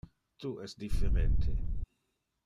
Tu es differente.